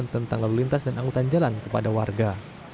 tentang lalu lintas dan angkutan jalan kepada warga